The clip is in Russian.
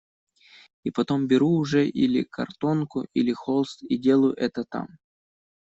И потом беру уже или картонку, или холст, и делаю это там.